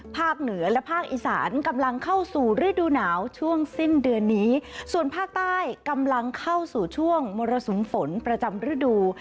เหนือและภาคอีสานกำลังเข้าสู่ฤดูหนาวช่วงสิ้นเดือนนี้ส่วนภาคใต้กำลังเข้าสู่ช่วงมรสุมฝนประจำฤดู